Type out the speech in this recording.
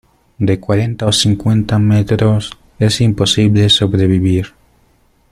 de cuarenta o cincuenta metros, es imposible sobrevivir.